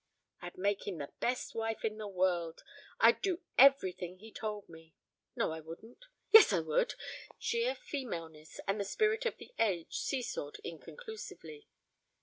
"I'd make him the best wife in the world. I'd do everything he told me. No, I wouldn't. Yes, I would." Sheer femaleness and the spirit of the age seesawed inconclusively.